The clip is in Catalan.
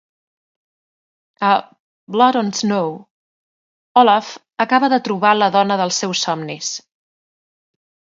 A "Blood on Snow", Olav acaba de trobar la dona dels seus somnis.